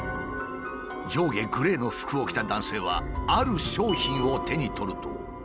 上下グレーの服を着た男性はある商品を手に取ると。